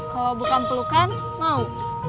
kalau bukan pelukan mau